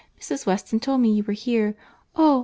Mrs. Weston told me you were here.—Oh!